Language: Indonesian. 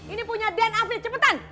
ini punya den afrik cepetan